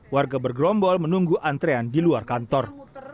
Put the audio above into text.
warga bergerombol menunggu antrean di luar kantor